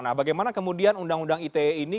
nah bagaimana kemudian undang undang ite ini